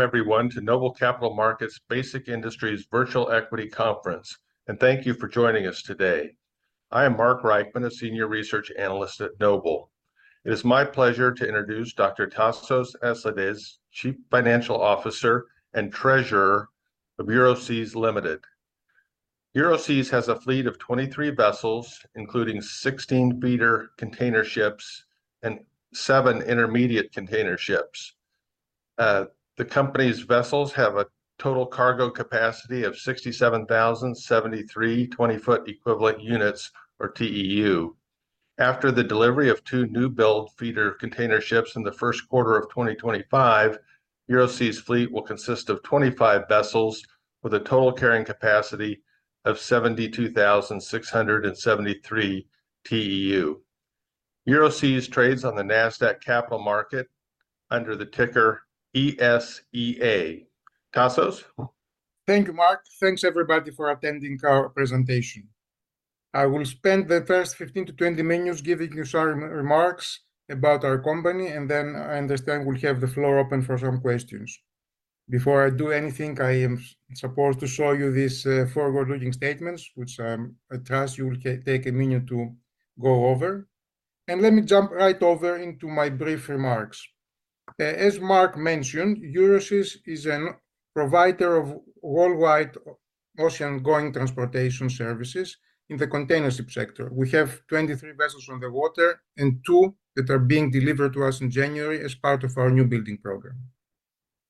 Everyone to Noble Capital Markets Basic Industries Virtual Equity Conference, and thank you for joining us today. I am Mark Reichman, a Senior Research Analyst at Noble. It is my pleasure to introduce Dr. Tasos Aslidis, Chief Financial Officer and Treasurer of Euroseas Ltd. Euroseas has a fleet of 23 vessels, including 16 feeder container ships and seven intermediate container ships. Uh, the company's vessels have a total cargo capacity of 67,073 twenty-foot equivalent units or TEU. After the delivery of two newbuild feeder container ships in the first quarter of 2025, Euroseas' fleet will consist of 25 vessels, with a total carrying capacity of 72,673 TEU. Euroseas trades on the Nasdaq Capital Market under the ticker ESEA. Tasos? Thank you, Mark. Thanks, everybody, for attending our presentation. I will spend the first 15 to 20 minutes giving you some remarks about our company, and then I understand we'll have the floor open for some questions. Before I do anything, I am supposed to show you this, forward-looking statements, which I trust you will take a minute to go over, and let me jump right over into my brief remarks. As Mark mentioned, Euroseas is a provider of worldwide ocean-going transportation services in the container ship sector. We have 23 vessels on the water and two that are being delivered to us in January as part of our newbuilding program.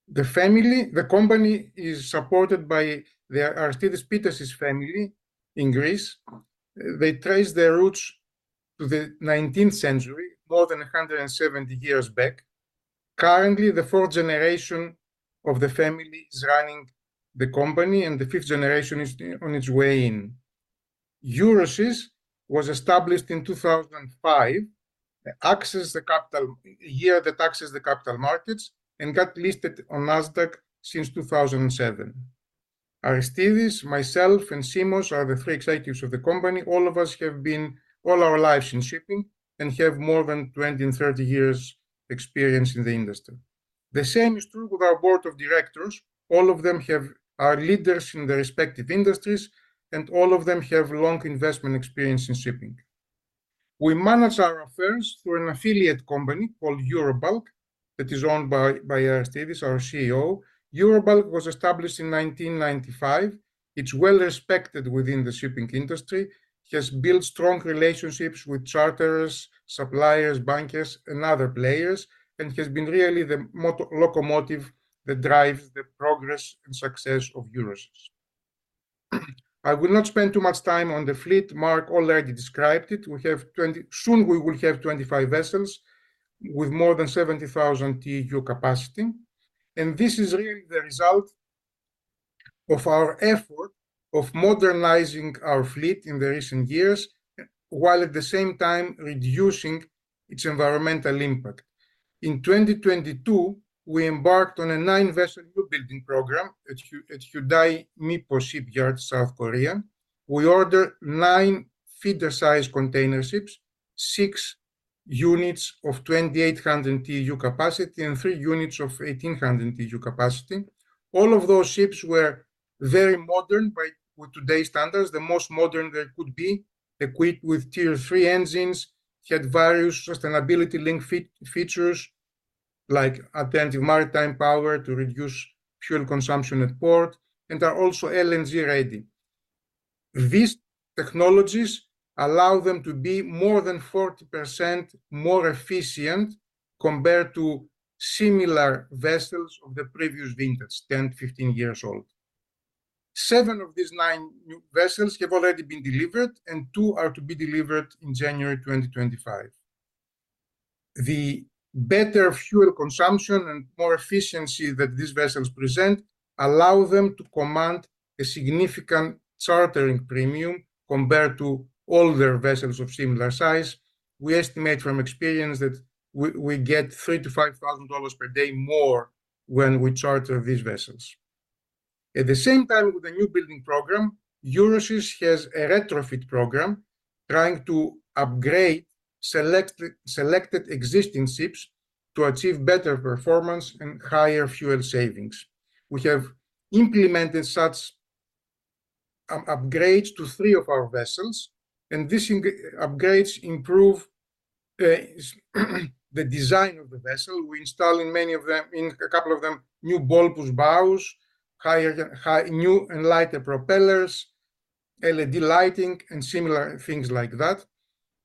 The company is supported by the Aristides Pittas family in Greece. They trace their roots to the nineteenth century, more than 100 and 170 years back. Currently, the fourth generation of the family is running the company, and the fifth generation is on its way in. Euroseas was established in 2005, the year that accessed the capital markets and got listed on Nasdaq since 2007. Aristides, myself, and Simos are the three executives of the company. All of us have been all our lives in shipping and have more than 20 and 30 years experience in the industry. The same is true with our board of directors. All of them are leaders in their respective industries, and all of them have long investment experience in shipping. We manage our affairs through an affiliate company called Eurobulk, that is owned by Aristides, our CEO. Eurobulk was established in 1995. It's well-respected within the shipping industry, has built strong relationships with charters, suppliers, bankers, and other players, and has been really the locomotive that drives the progress and success of Euroseas. I will not spend too much time on the fleet. Mark already described it. We have 20. Soon we will have 25 vessels with more than 70,000 TEU capacity, and this is really the result of our effort of modernizing our fleet in the recent years, while at the same time reducing its environmental impact. In 2022, we embarked on a 9-vessel new building program at Hyundai Mipo Shipyard, South Korea. We ordered nine feeder-sized container ships, six units of 2,800 TEU capacity and three units of 1,800 TEU capacity. All of those ships were very modern by with today's standards the most modern they could be, equipped with Tier III engines, had various sustainability-linked features, like alternative maritime power to reduce fuel consumption at port, and are also LNG-ready. These technologies allow them to be more than 40% more efficient compared to similar vessels of the previous vintage, 10-15 years old. Seven of these nine new vessels have already been delivered, and two are to be delivered in January 2025. The better fuel consumption and more efficiency that these vessels present allow them to command a significant chartering premium compared to older vessels of similar size. We estimate from experience that we get $3,000-$5,000 per day more when we charter these vessels. At the same time with the new building program, Euroseas has a retrofit program trying to upgrade selected, selected existing ships to achieve better performance and higher fuel savings. We have implemented such upgrades to three of our vessels, and these upgrades improve the design of the vessel. We install in many of them, in a couple of them, new bulbous bows, new and lighter propellers, LED lighting, and similar things like that.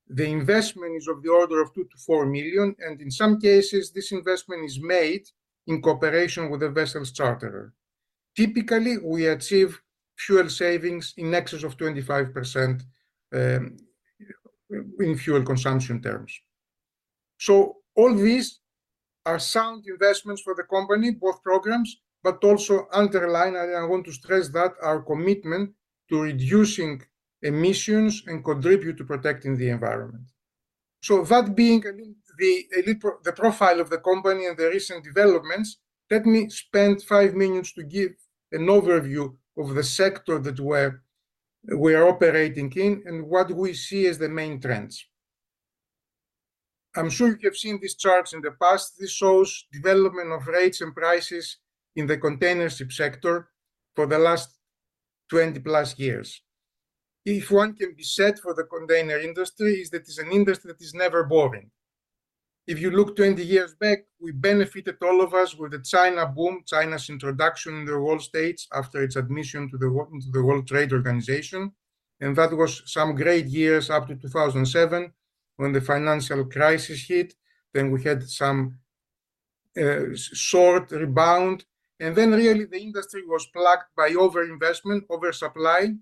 The investment is of the order of $2 million-$4 million, and in some cases, this investment is made in cooperation with the vessel's charterer. Typically, we achieve fuel savings in excess of 25% in fuel consumption terms. All these are sound investments for the company, both programs, but also underline, and I want to stress that, our commitment to reducing emissions and contribute to protecting the environment. So, that being a little the profile of the company and the recent developments, let me spend five minutes to give an overview of the sector that we're operating in and what we see as the main trends. I'm sure you have seen these charts in the past. This shows development of rates and prices in the containership sector for the last 20-plus years. If one can be said for the container industry, is that it's an industry that is never boring. If you look 20 years back, we benefited, all of us, with the China boom, China's introduction in the world stage after its admission into the World Trade Organization, and that was some great years up to 2007 when the financial crisis hit. Then we had some short rebound, and then really the industry was plagued by over-investment, oversupply,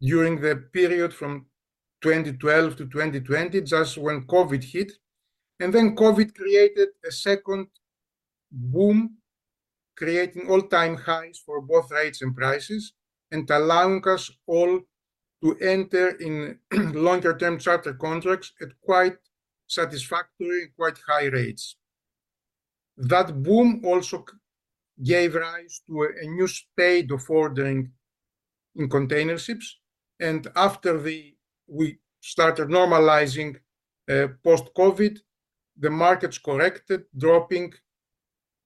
during the period from 2012 to 2020, just when COVID hit. And then COVID created a second boom, creating all-time highs for both rates and prices and allowing us all to enter in longer-term charter contracts at quite satisfactory, quite high rates. That boom also gave rise to a new spate of ordering in containerships, and after we started normalizing post-COVID, the markets corrected, dropping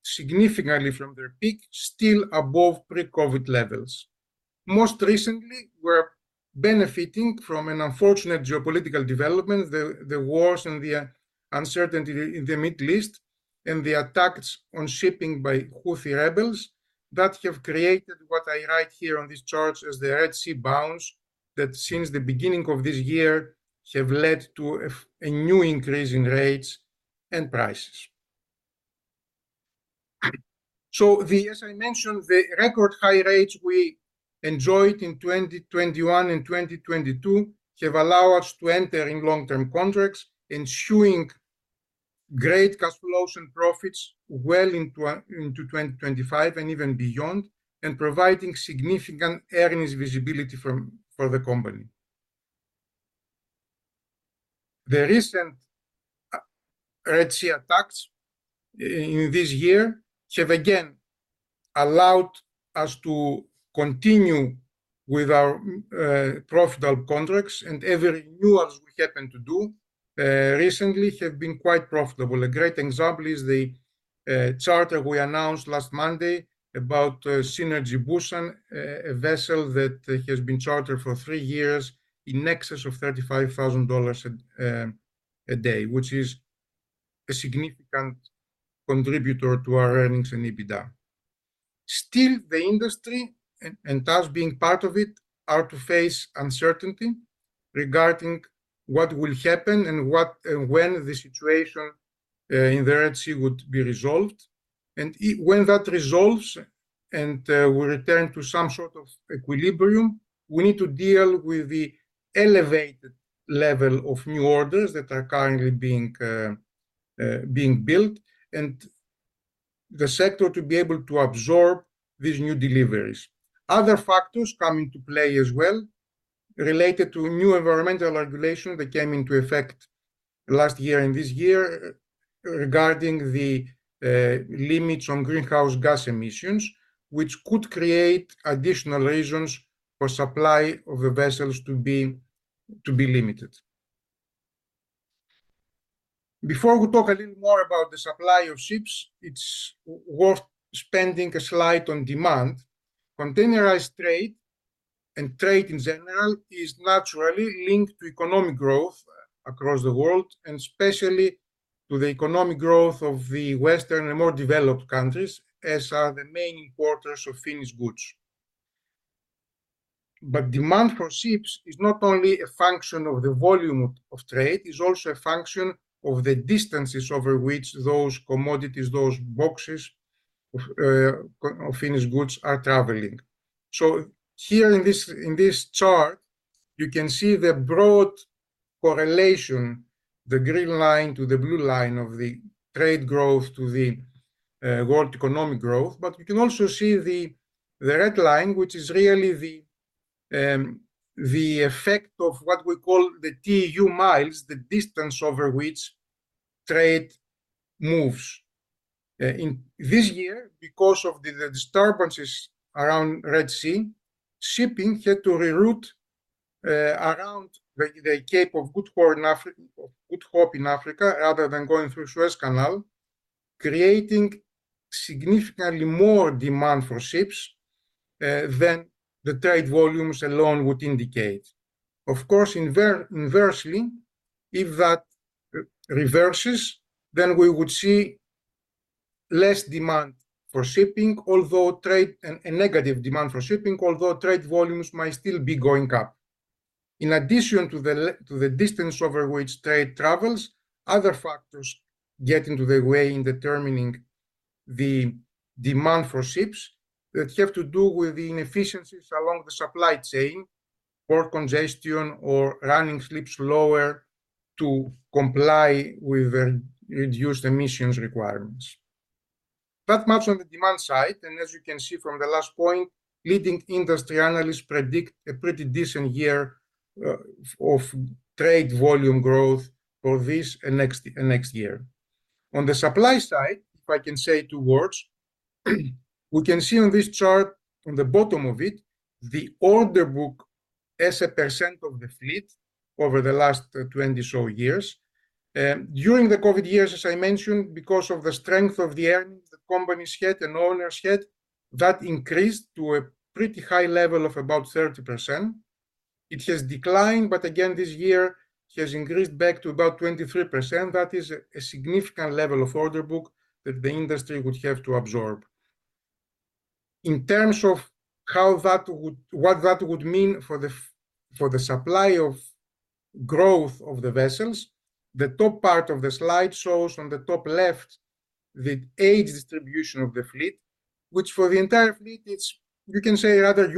significantly from their peak, still above pre-COVID levels. Most recently, we're benefiting from an unfortunate geopolitical development, the wars and the uncertainty in the Middle East and the attacks on shipping by Houthi rebels that have created what I write here on this chart as the Red Sea bounce, that since the beginning of this year, have led to a new increase in rates and prices. So, as I mentioned, the record high rates we enjoyed in 2021 and 2022 have allowed us to enter in long-term contracts, ensuring great cash flow and profits well into 2025 and even beyond and providing significant earnings visibility for the company. The recent Red Sea attacks in this year have again allowed us to continue with our profitable contracts, and every new ones we happen to do recently have been quite profitable. A great example is the charter we announced last Monday about Synergy Busan, a vessel that has been chartered for three years in excess of $35,000 a day, which is a significant contributor to our earnings and EBITDA. Still, the industry, and us being part of it, are to face uncertainty regarding what will happen and when the situation in the Red Sea would be resolved. When that resolves, and we return to some sort of equilibrium, we need to deal with the elevated level of new orders that are currently being built, and the sector to be able to absorb these new deliveries. Other factors come into play as well, related to new environmental regulation that came into effect last year and this year regarding the limits on greenhouse gas emissions, which could create additional reasons for supply of the vessels to be limited. Before we talk a little more about the supply of ships, it's worth spending a slide on demand. Containerized trade, and trade in general, is naturally linked to economic growth across the world, and especially to the economic growth of the Western and more developed countries, as are the main importers of finished goods. But demand for ships is not only a function of the volume of trade, it's also a function of the distances over which those commodities, those boxes of finished goods, are traveling. So here in this chart, you can see the broad correlation, the green line to the blue line, of the trade growth to the world economic growth. But you can also see the red line, which is really the effect of what we call the TEU miles, the distance over which trade moves. In this year, because of the disturbances around Red Sea, shipping had to reroute around the Cape of Good Hope in Africa, rather than going through Suez Canal, creating significantly more demand for ships than the trade volumes alone would indicate. Of course, inversely, if that reverses, then we would see less demand for shipping and negative demand for shipping, although trade volumes might still be going up. In addition to the distance over which trade travels, other factors get in the way in determining the demand for ships that have to do with the inefficiencies along the supply chain, port congestion, or running ships slower to comply with the reduced emissions requirements. Not much on the demand side, and as you can see from the last point, leading industry analysts predict a pretty decent year of trade volume growth for this and next year. On the supply side, if I can say two words, we can see on this chart, on the bottom of it, the order book as a % of the fleet over the last 20 or so years. During the COVID years, as I mentioned, because of the strength of the earnings the companies had and owners had, that increased to a pretty high level of about 30%. It has declined, but again, this year it has increased back to about 23%. That is a significant level of order book that the industry would have to absorb. In terms of what that would mean for the supply of growth of the vessels, the top part of the slide shows on the top left, the age distribution of the fleet, which for the entire fleet, it's. You can say rather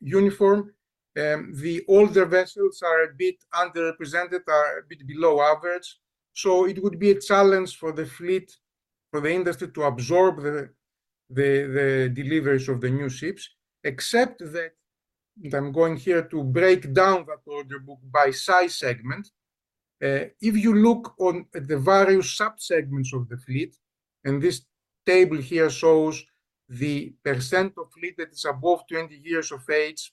uniform. The older vessels are a bit underrepresented, are a bit below average, so it would be a challenge for the fleet, for the industry to absorb the deliveries of the new ships. Except that I'm going here to break down that order book by size segment. If you look on, at the various sub-segments of the fleet, and this table here shows the % of fleet that is above 20 years of age,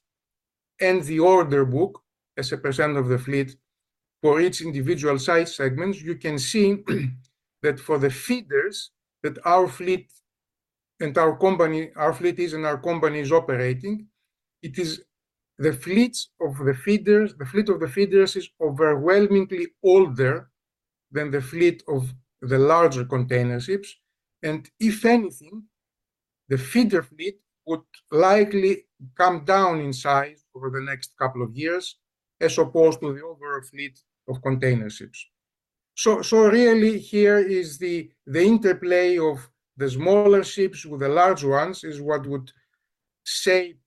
and the order book as a % of the fleet for each individual size segments, you can see that for the feeders, that our fleet and our company is operating, it is the fleet of the feeders is overwhelmingly older than the fleet of the larger container ships. If anything, the feeder fleet would likely come down in size over the next couple of years, as opposed to the overall fleet of container ships. Really, here is the interplay of the smaller ships with the larger ones, is what would shape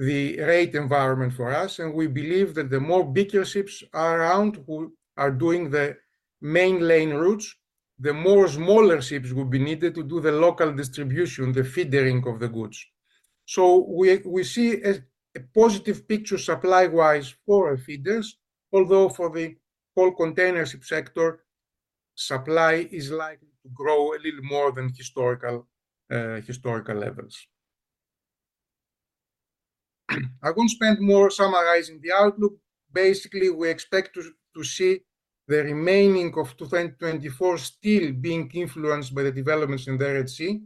the rate environment for us, and we believe that the more bigger ships are around who are doing the main lane routes, the more smaller ships will be needed to do the local distribution, the feeding of the goods. We see a positive picture supply-wise for our feeders, although for the whole container ship sector, supply is likely to grow a little more than historical levels. I won't spend more summarizing the outlook. Basically, we expect to see the remaining of `2024 still being influenced by the developments in the Red Sea.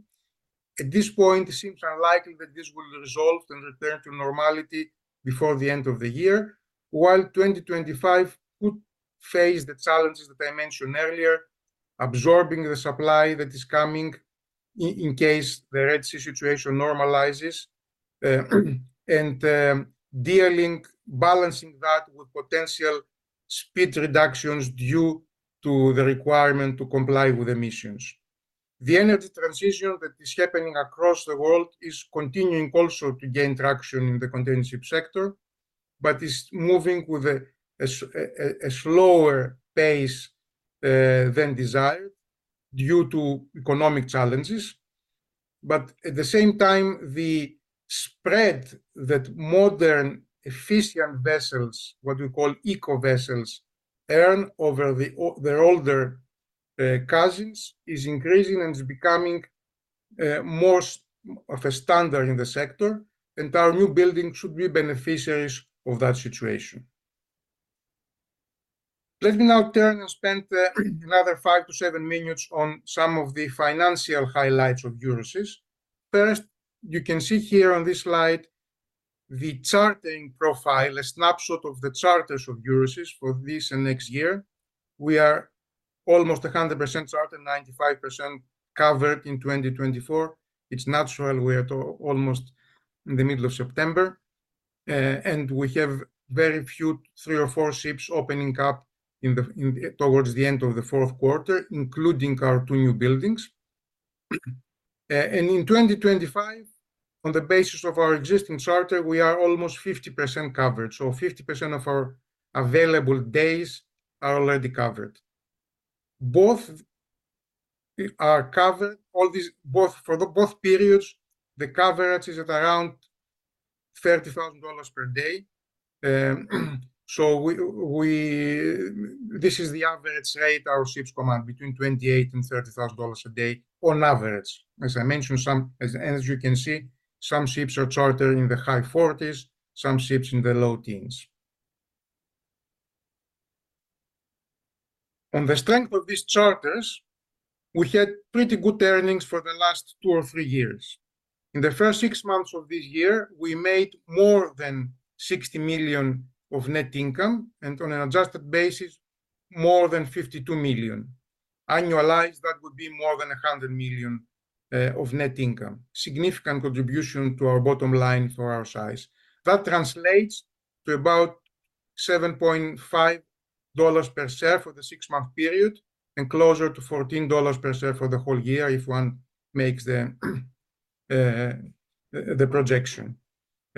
At this point, it seems unlikely that this will resolve and return to normality before the end of the year. While 2025 could face the challenges that I mentioned earlier, absorbing the supply that is coming in case the Red Sea situation normalizes, and balancing that with potential speed reductions due to the requirement to comply with emissions. The energy transition that is happening across the world is continuing also to gain traction in the container ship sector, but is moving with a slower pace than desired due to economic challenges. But at the same time, the spread that modern, efficient vessels, what we call eco vessels, earn over their older cousins, is increasing and is becoming more of a standard in the sector, and our newbuildings should be beneficiaries of that situation. Let me now turn and spend another five to seven minutes on some of the financial highlights of Euroseas. First, you can see here on this slide, the chartering profile, a snapshot of the charters of Euroseas for this and next year. We are almost 100% chartered, 95% covered in 2024. It's natural, we are almost in the middle of September, and we have very few, three or four ships opening up in the towards the end of the fourth quarter, including our two new buildings. And in 2025, on the basis of our existing charter, we are almost 50% covered, so 50% of our available days are already covered. Both are covered, all these both for both periods, the coverage is at around $30,000 per day. So we this is the average rate our ships command, between $28,000 and $30,000 a day on average. As I mentioned, as you can see, some ships are chartered in the high forties, some ships in the low teens. On the strength of these charters, we had pretty good earnings for the last two or three years. In the first six months of this year, we made more than $60 million of net income, and on an adjusted basis, more than $52 million. Annualized, that would be more than $100 million of net income. Significant contribution to our bottom line for our size. That translates to about $7.5 per share for the six-month period, and closer to $14 per share for the whole year if one makes the projection.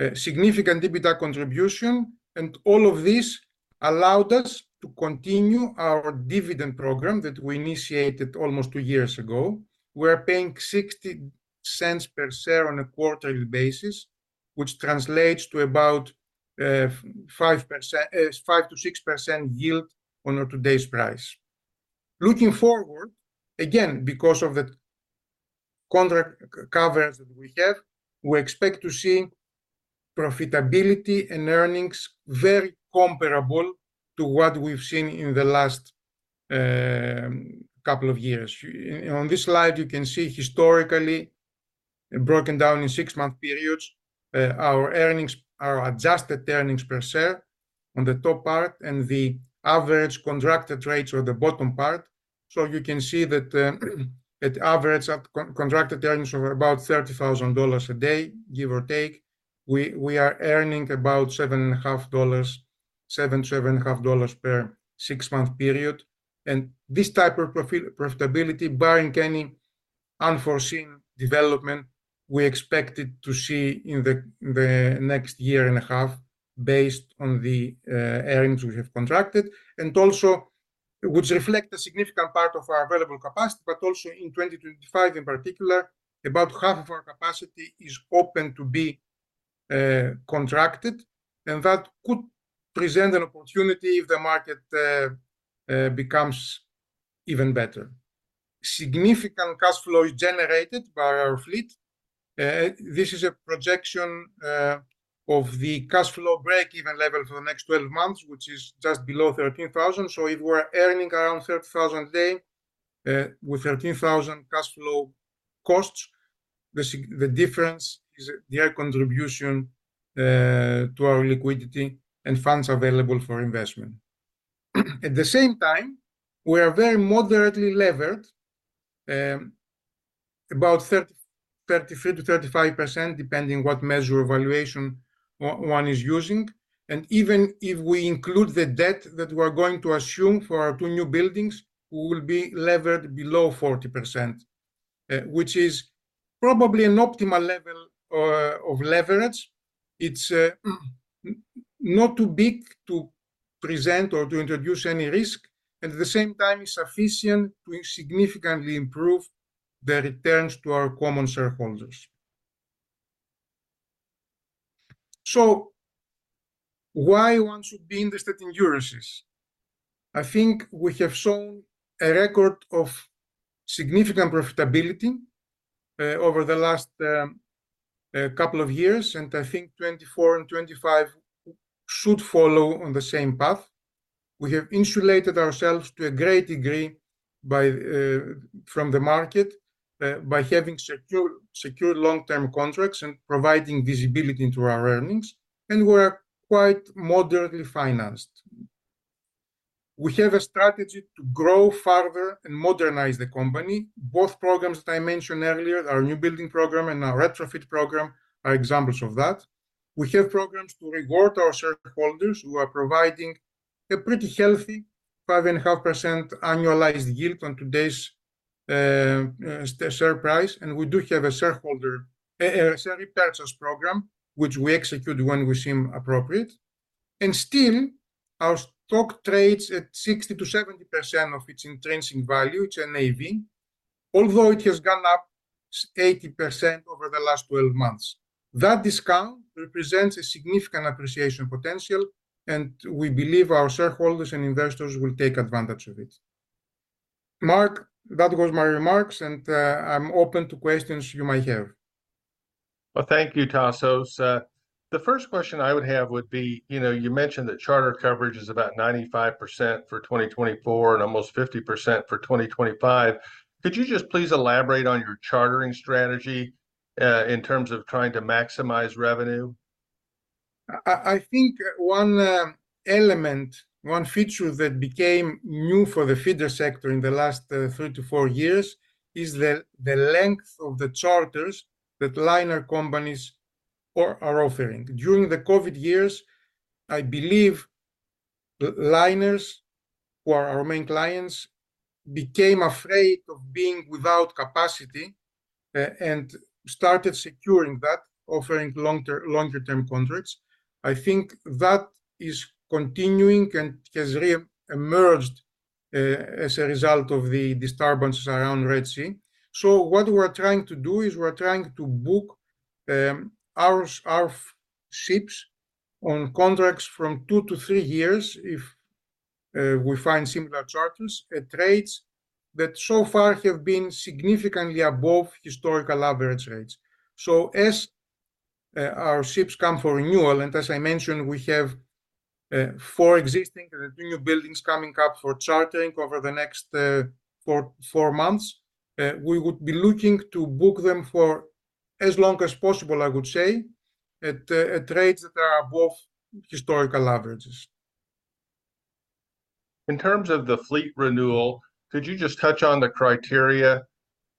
A significant EBITDA contribution, and all of this allowed us to continue our dividend program that we initiated almost two years ago. We're paying 60 cents per share on a quarterly basis, which translates to about 5%, 5%-6% yield on our today's price. Looking forward, again, because of the contract coverage that we have, we expect to see profitability and earnings very comparable to what we've seen in the last couple of years. On this slide, you can see historically, broken down in six-month periods, our earnings, our adjusted earnings per share on the top part, and the average contracted rates on the bottom part. So you can see that, it average out contracted earnings of about $30,000 a day, give or take. We are earning about $7.50 per six-month period, and this type of profitability, barring any unforeseen development, we expected to see in the next year and a half based on the earnings we have contracted. Also, which reflect a significant part of our available capacity, but also in 2025 in particular, about half of our capacity is open to be contracted, and that could present an opportunity if the market becomes even better. Significant cash flow is generated by our fleet. This is a projection of the cash flow break-even level for the next 12 months, which is just below $13,000. So if we're earning around $13,000 a day, with $13,000 cash flow costs, the difference is their contribution to our liquidity and funds available for investment. At the same time, we are very moderately levered, about 33-35%, depending what measure of valuation one is using. And even if we include the debt that we are going to assume for our two new buildings, we will be levered below 40%, which is probably an optimal level of leverage. It's not too big to present or to introduce any risk, and at the same time, it's sufficient to significantly improve the returns to our common shareholders. So why one should be interested in Euroseas? I think we have shown a record of significant profitability over the last couple of years, and I think 2024 and 2025 should follow on the same path. We have insulated ourselves to a great degree from the market by having secure long-term contracts and providing visibility into our earnings, and we're quite moderately financed. We have a strategy to grow further and modernize the company. Both programs that I mentioned earlier, our new building program and our retrofit program, are examples of that. We have programs to reward our shareholders who are providing a pretty healthy 5.5% annualized yield on today's share price, and we do have a share repurchase program, which we execute when we seem appropriate. Still, our stock trades at 60%-70% of its intrinsic value, its NAV, although it has gone up 80% over the last 12 months. That discount represents a significant appreciation potential, and we believe our shareholders and investors will take advantage of it. Mark, that was my remarks, and I'm open to questions you might have. Thank you, Tasos. The first question I would have would be, you know, you mentioned that charter coverage is about 95% for 2024 and almost 50% for 2025. Could you just please elaborate on your chartering strategy, in terms of trying to maximize revenue? I think one element, one feature that became new for the feeder sector in the last three to four years, is the length of the charters that liner companies are offering. During the COVID years, I believe the liners, who are our main clients, became afraid of being without capacity and started securing that, offering longer, longer-term contracts. I think that is continuing and has re-emerged as a result of the disturbances around Red Sea. So what we're trying to do is we're trying to book our ships on contracts from two to three years if we find similar charters at rates that so far have been significantly above historical average rates. As our ships come for renewal, and as I mentioned, we have four existing and two new buildings coming up for chartering over the next four months. We would be looking to book them for as long as possible, I would say, at rates that are above historical averages. In terms of the fleet renewal, could you just touch on the criteria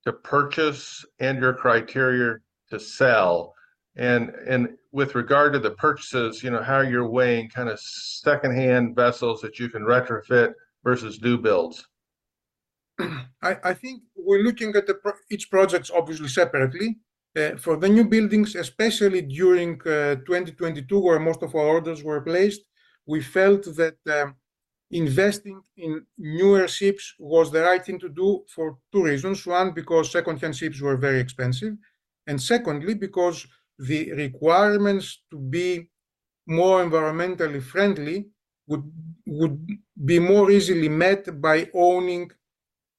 to purchase and your criteria to sell? And with regard to the purchases, you know, how you're weighing kind of second-hand vessels that you can retrofit versus new builds. I think we're looking at the project each obviously separately. For the new buildings, especially during 2022, where most of our orders were placed, we felt that investing in newer ships was the right thing to do for two reasons: One, because secondhand ships were very expensive, and secondly, because the requirements to be more environmentally friendly would be more easily met by owning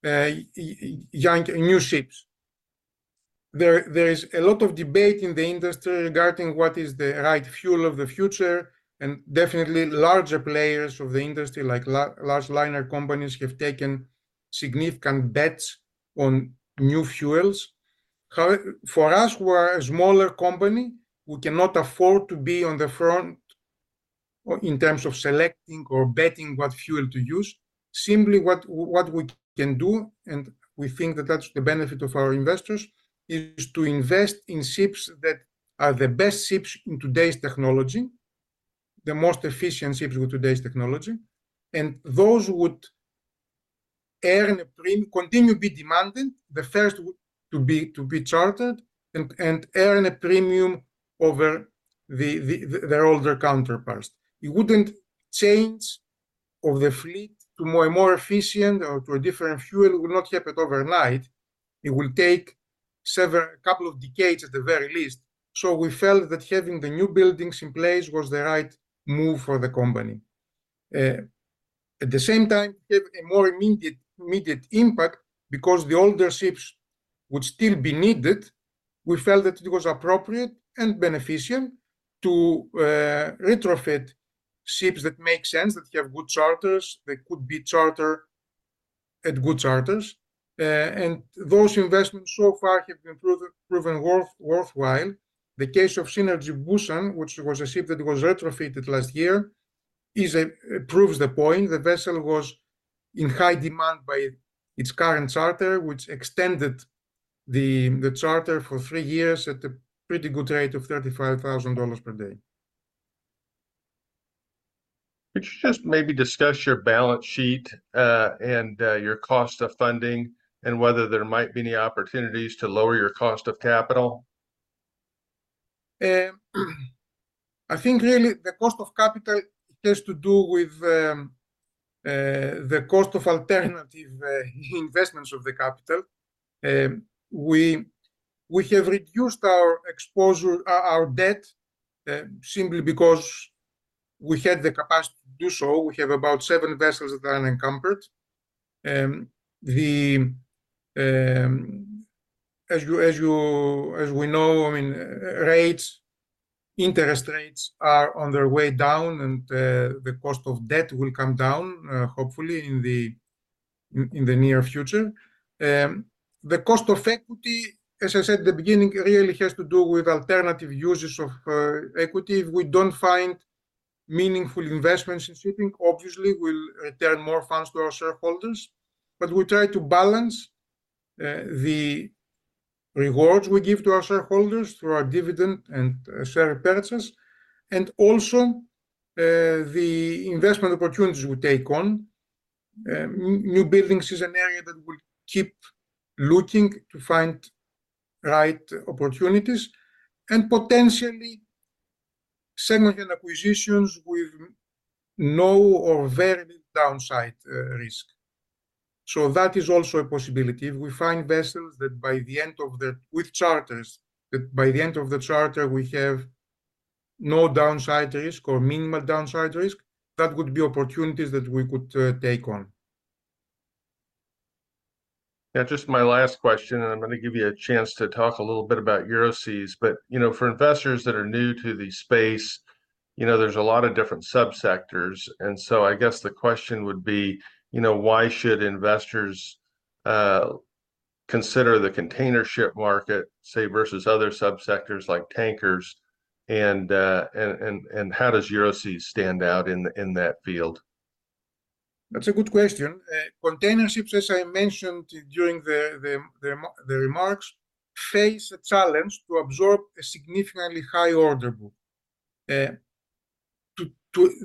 new ships. There is a lot of debate in the industry regarding what is the right fuel of the future, and definitely larger players of the industry, like large liner companies, have taken significant bets on new fuels. For us, we're a smaller company. We cannot afford to be on the front in terms of selecting or betting what fuel to use. Simply, what we can do, and we think that that's the benefit of our investors, is to invest in ships that are the best ships in today's technology, the most efficient ships with today's technology, and those would earn a premium, continue to be demanded, the first to be chartered, and earn a premium over their older counterparts. The change of the fleet to more and more efficient or to a different fuel will not happen overnight. It will take a couple of decades at the very least. So we felt that having the new buildings in place was the right move for the company. At the same time, have a more immediate impact because the older ships would still be needed. We felt that it was appropriate and beneficial to retrofit ships that make sense, that have good charters, that had good charters. And those investments so far have been proven worthwhile. The case of Synergy Busan, which was a ship that was retrofitted last year, proves the point. The vessel was in high demand by its current charter, which extended the charter for three years at a pretty good rate of $35,000 per day. Could you just maybe discuss your balance sheet and your cost of funding and whether there might be any opportunities to lower your cost of capital? I think really the cost of capital has to do with the cost of alternative investments of the capital. We have reduced our exposure, our debt simply because we had the capacity to do so. We have about seven vessels that are encumbered. As we know, I mean, rates, interest rates are on their way down, and the cost of debt will come down hopefully in the near future. The cost of equity, as I said at the beginning, really has to do with alternative uses of equity. If we don't find meaningful investments in shipping, obviously we'll return more funds to our shareholders, but we try to balance the rewards we give to our shareholders through our dividend and share purchases, and also the investment opportunities we take on. New buildings is an area that we'll keep looking to find right opportunities and potentially second acquisitions with no or very little downside risk. So that is also a possibility. If we find vessels that by the end of the... with charters, that by the end of the charter, we have no downside risk or minimal downside risk, that would be opportunities that we could take on. Yeah, just my last question, and I'm gonna give you a chance to talk a little bit about Euroseas. But, you know, for investors that are new to the space, you know, there's a lot of different sub-sectors, and so I guess the question would be, you know, why should investors consider the container ship market, say, versus other sub-sectors like tankers, and how does Euroseas stand out in that field? That's a good question. Container ships, as I mentioned during the remarks, face a challenge to absorb a significantly high order book.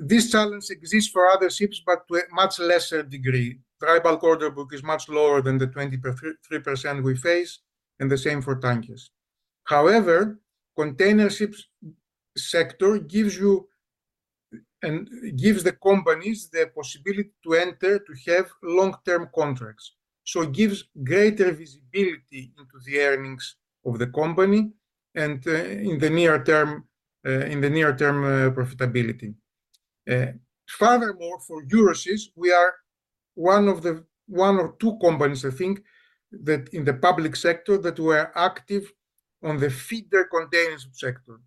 This challenge exists for other ships, but to a much lesser degree. Dry bulk order book is much lower than the 23% we face, and the same for tankers. However, container ships sector gives you, and gives the companies the possibility to enter, to have long-term contracts. So it gives greater visibility into the earnings of the company and, in the near term, profitability. Furthermore, for Euroseas, we are one of the one or two companies, I think, that in the public sector, that we are active on the feeder container ship sector.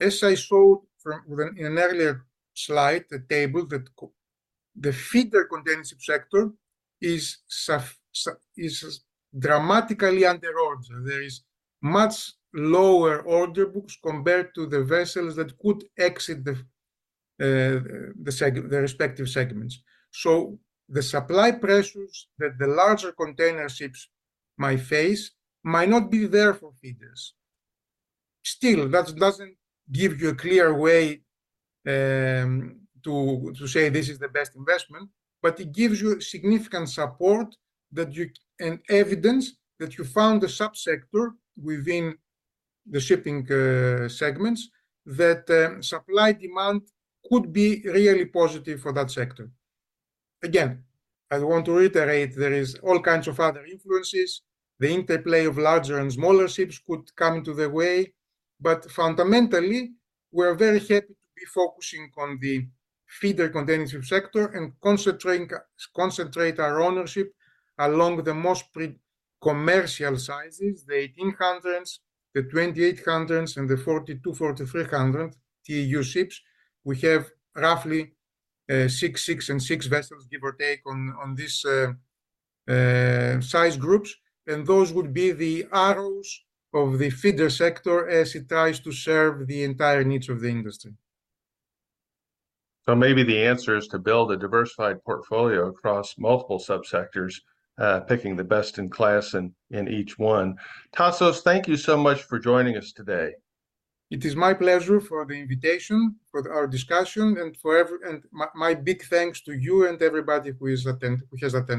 As I showed from... With an, in an earlier slide, the table, that the feeder container ship sector is dramatically under order. There is much lower order books compared to the vessels that could exit the respective segments. So the supply pressures that the larger container ships might face might not be there for feeders. Still, that doesn't give you a clear way to say this is the best investment, but it gives you significant support that you and evidence that you found a sub-sector within the shipping segments that supply-demand could be really positive for that sector. Again, I want to reiterate, there is all kinds of other influences. The interplay of larger and smaller ships could come into the way, but fundamentally, we're very happy to be focusing on the feeder container ship sector and concentrating our ownership along the most preferred commercial sizes, the eighteen hundreds, the twenty-eight hundreds, and the forty-two, forty-three hundred TEU ships. We have roughly six, six, and six vessels, give or take, on this size groups, and those would be the arrows of the feeder sector as it tries to serve the entire needs of the industry. So maybe the answer is to build a diversified portfolio across multiple sub-sectors, picking the best-in-class in each one. Tasos, thank you so much for joining us today. It is my pleasure for the invitation, for our discussion, and my big thanks to you and everybody who has attended.